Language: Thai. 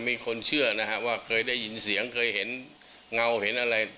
มีคนเชื่อนะฮะว่าเคยได้ยินเสียงเคยเห็นเงาเห็นอะไร